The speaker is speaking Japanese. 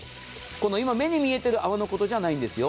今目に見えている泡のことジャないんですよ。